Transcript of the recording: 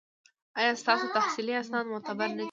ایا ستاسو تحصیلي اسناد معتبر نه دي؟